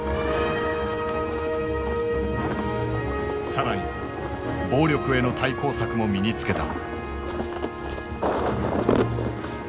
更に暴力への対抗策も身につけた。